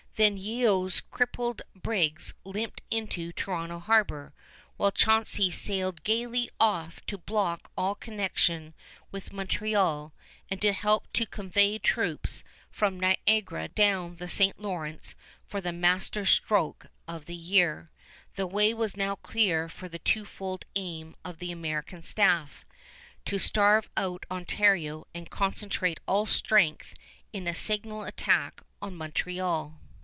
Then Yeo's crippled brigs limped into Toronto harbor, while Chauncey sailed gayly off to block all connection with Montreal and help to convoy troops from Niagara down the St. Lawrence for the master stroke of the year. The way was now clear for the twofold aim of the American staff, to starve out Ontario and concentrate all strength in a signal attack on Montreal.